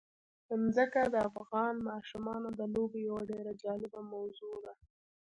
ځمکه د افغان ماشومانو د لوبو یوه ډېره جالبه موضوع ده.